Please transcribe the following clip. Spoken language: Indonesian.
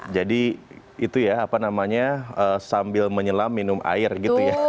jadi itu ya apa namanya sambil menyelam minum air gitu ya